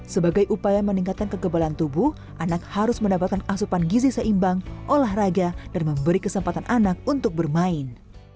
sebagai upaya meningkatkan kekebalan tubuh anak harus mendapatkan asupan gizi seimbang olahraga dan memberi kesempatan anak untuk bermain